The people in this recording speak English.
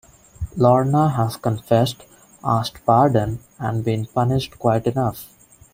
Lorna has confessed, asked pardon, and been punished quite enough.